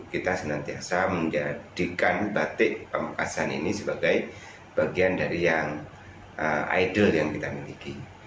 kita senantiasa menjadikan batik pamekasan ini sebagai bagian dari yang idol yang kita miliki